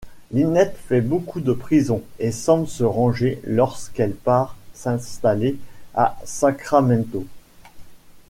Lynette fait beaucoup de prison, et semble se ranger lorsqu'elle part s'installer à Sacramento.